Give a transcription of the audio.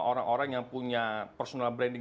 orang orang yang punya personal branding